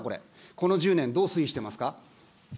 この１０年、どう推移してますか。